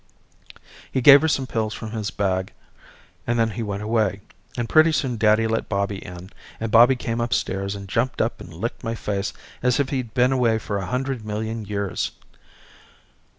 He gave her some pills from his bag and then he went away, and pretty soon daddy let Bobby in, and Bobby came upstairs and jumped up and licked my face as if he'd been away for a hundred million years.